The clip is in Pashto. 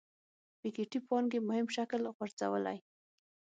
پيکيټي پانګې مهم شکل غورځولی.